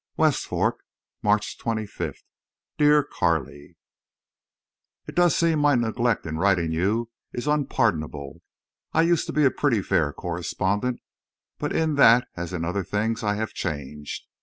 WEST FORK, March 25. DEAR CARLEY: It does seem my neglect in writing you is unpardonable. I used to be a pretty fair correspondent, but in that as in other things I have changed.